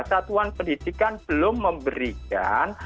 satuan pendidikan belum memberikan